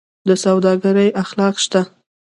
د سوداګرۍ اخلاق شته؟